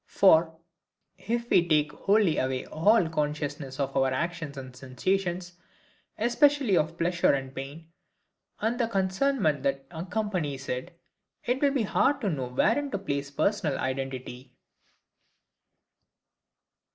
For, if we take wholly away all consciousness of our actions and sensations, especially of pleasure and pain, and the concernment that accompanies it, it will be hard to know wherein to place personal identity.